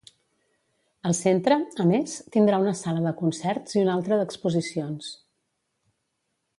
El Centre, a més, tindrà una sala de concerts i una altra d'exposicions.